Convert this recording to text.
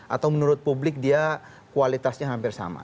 atau menurut publik dia kualitasnya hampir sama